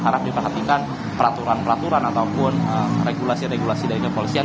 harap diperhatikan peraturan peraturan ataupun regulasi regulasi dari kepolisian